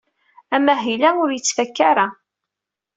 Amahil-a ur yettfaka ara.